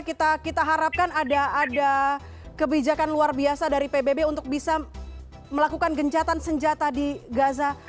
kita harapkan ada kebijakan luar biasa dari pbb untuk bisa melakukan gencatan senjata di gaza